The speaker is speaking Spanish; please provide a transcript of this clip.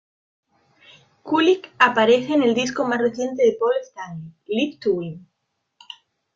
Kulick aparece en el disco más reciente de Paul Stanley, Live to Win.